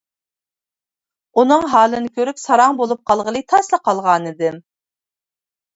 ئۇنىڭ ھالىنى كۆرۈپ ساراڭ بولۇپ قالغىلى تاسلا قالغانىدىم.